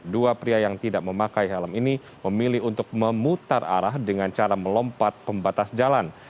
dua pria yang tidak memakai helm ini memilih untuk memutar arah dengan cara melompat pembatas jalan